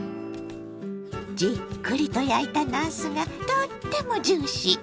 じっくりと焼いたなすがとってもジューシー。